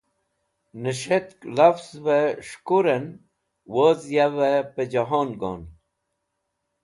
Nes̃ht lavzẽvẽ s̃hẽkurẽn woz yavẽ pẽ jehon gon.